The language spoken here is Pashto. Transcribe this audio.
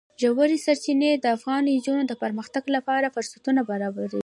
ژورې سرچینې د افغان نجونو د پرمختګ لپاره فرصتونه برابروي.